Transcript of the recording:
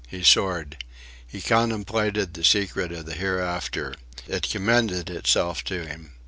He soared. He contemplated the secret of the hereafter. It commended itself to him.